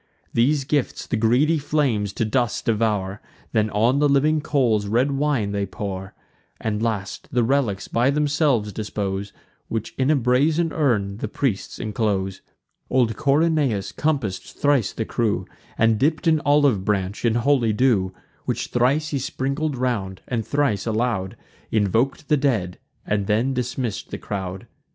These gifts the greedy flames to dust devour; Then on the living coals red wine they pour; And, last, the relics by themselves dispose, Which in a brazen urn the priests inclose. Old Corynaeus compass'd thrice the crew, And dipp'd an olive branch in holy dew; Which thrice he sprinkled round, and thrice aloud Invok'd the dead, and then dismissed the crowd.